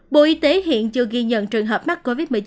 bộ y tế hiện chưa ghi nhận trường hợp mắc covid một mươi chín